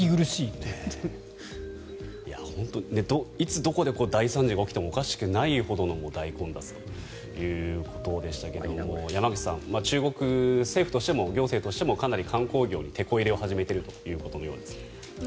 奇麗な空気を吸いに行くイメージがいつどこで大惨事が起きてもおかしくないほどの大混雑ということでしたが山口さん、中国政府としても行政としてもかなり観光業にてこ入れを始めているということです。